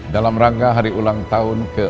dalam rangkaan yang diperoleh oleh jokowi dan jokowi